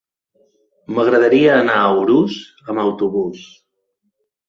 M'agradaria anar a Urús amb autobús.